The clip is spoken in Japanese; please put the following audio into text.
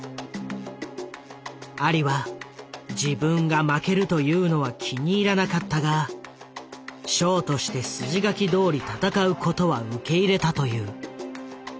アリは自分が負けるというのは気に入らなかったがショーとして筋書きどおり戦うことは受け入れたという。